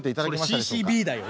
それＣＣＢだよ。